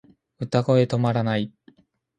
歌声止まらない